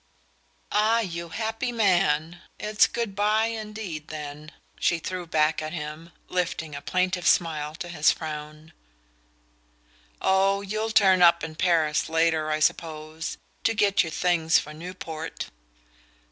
"Ah, you happy man! It's good bye indeed, then," she threw back at him, lifting a plaintive smile to his frown. "Oh, you'll turn up in Paris later, I suppose to get your things for Newport."